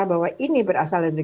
bahwa ini berasal dari